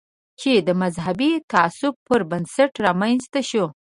چې د مذهبي تعصب پر بنسټ رامنځته شو.